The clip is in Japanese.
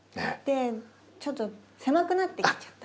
ちょっと狭くなってきちゃった。